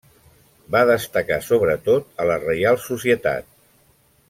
Va destacar sobretot a la Reial Societat.